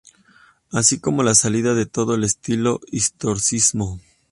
Así como la salida de todo el estilo historicismo.